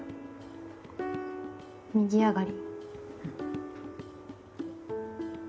右上がり。